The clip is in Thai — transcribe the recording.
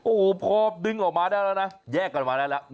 โอ้โหพอดึงออกมาได้แล้วนะแยกกันมาได้แล้ว